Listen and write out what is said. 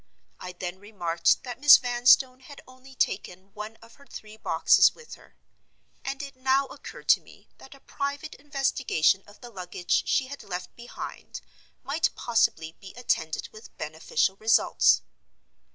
I then remarked that Miss Vanstone had only taken one of her three boxes with her—and it now occurred to me that a private investigation of the luggage she had left behind might possibly be attended with beneficial results.